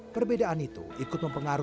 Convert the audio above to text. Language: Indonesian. perbedaan itu ikut memperbaiki